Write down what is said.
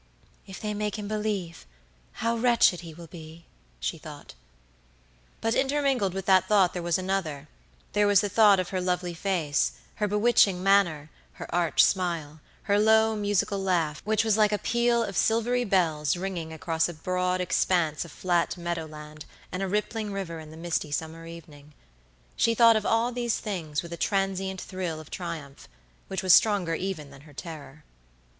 "If they make him believe, how wretched he will be," she thought. But intermingled with that thought there was anotherthere was the thought of her lovely face, her bewitching manner, her arch smile, her low, musical laugh, which was like a peal of silvery bells ringing across a broad expanse of flat meadow land and a rippling river in the misty summer evening. She thought of all these things with a transient thrill of triumph, which was stronger even than her terror.